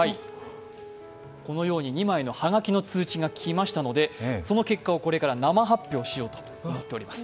このように２枚のはがきの通知が来ましたのでその結果をこれから生発表しようと思っております。